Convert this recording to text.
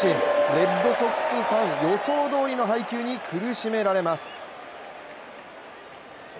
レッドソックスファン、予想どおりの配球に苦しめられます。